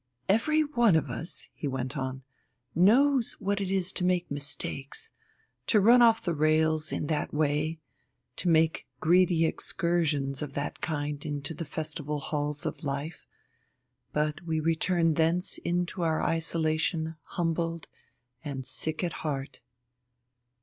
"Every one of us," he went on, "knows what it is to make mistakes, to run off the rails in that way, to make greedy excursions of that kind into the festival halls of life. But we return thence into our isolation humbled and sick at heart."